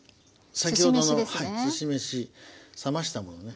先ほどのすし飯冷ましたものね。